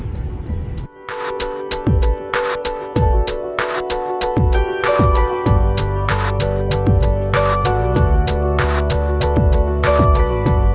นี่ชัดเก็บไม่มีจักร